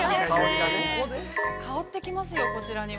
◆香ってきますよ、こちらにも。